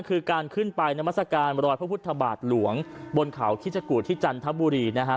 คือการขึ้นไปนามัศกาลรอยพระพุทธบาทหลวงบนเขาคิชกุที่จันทบุรีนะฮะ